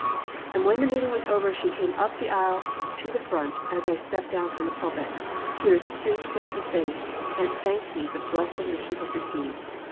And when the meeting was over she came up the aisle to the front as I stepped down from the pulpit, tears streaming down her face, and thanked me for the blessing that she had received.